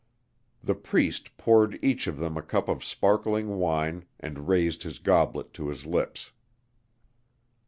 The Priest poured each of them a cup of sparkling wine and raised his goblet to his lips.